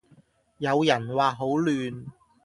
有人話好亂